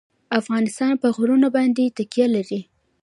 افغانستان په غرونه باندې تکیه لري.